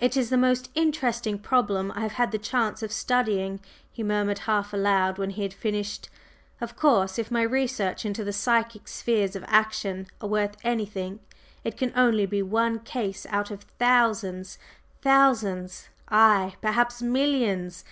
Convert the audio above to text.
"It is the most interesting problem I ever had the chance of studying!" he murmured half aloud when he had finished. "Of course, if my researches into the psychic spheres of action are worth anything, it can only be one case out of thousands. Thousands? Aye, perhaps millions!